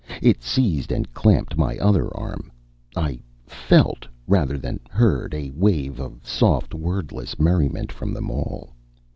It seized and clamped my other arm. I felt, rather than heard, a wave of soft, wordless merriment from them all.